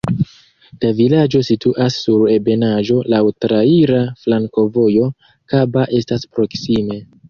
La vilaĝo situas sur ebenaĵo, laŭ traira flankovojo, Kaba estas proksime.